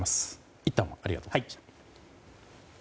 いったんありがとうございました。